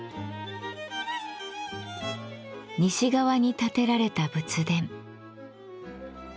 西側に建てられた仏殿。